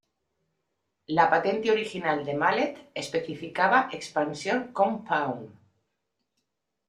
La patente original de Mallet especificaba expansión compound.